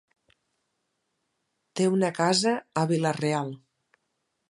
Té una casa a Vila-real.